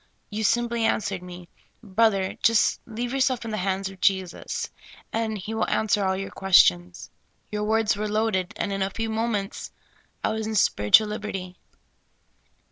You simply answered me :' Brother, just leave yourself in the hands of Jesus, and He will an swer all your questions.' Your words were loaded, and in a few moments I was in spiritual lib erty."